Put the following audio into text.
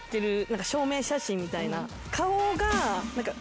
顔が。